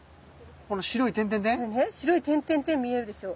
白い点々々見えるでしょ。